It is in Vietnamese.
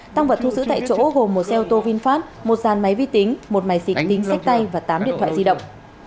tăng vật thu giữ tại chỗ gồm một xe ô tô vinfast một giàn máy vi tính một máy xịt tính sách tay và tám điện thoại di động